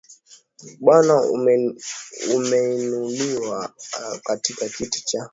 Bwana Umeinuliwa aah, katika kiti chako cha enzi